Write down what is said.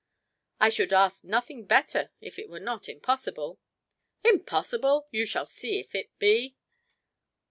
"I should ask nothing better if it were not impossible." "Impossible! You shall see if it be."